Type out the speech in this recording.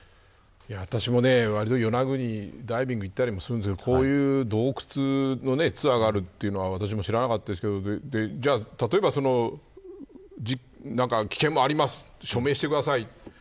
私も与那国にダイビングに行ったりもするんですけどこういう洞窟のツアーがあるというのは私も知らなかったですけど例えば、危険もあります署名してください。